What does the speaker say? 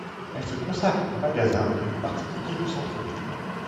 Elle se consacre aux magasins et aux particuliers du centre-ville.